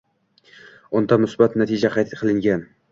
Unda musbat natija qayd qilingan.